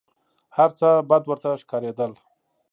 هر څه بد ورته ښکارېدل .